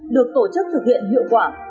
được tổ chức thực hiện hiệu quả